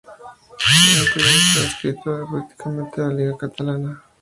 Fue un periódico adscrito políticamente a la Lliga Catalana.